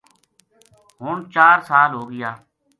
ہن چار سال ہو گیا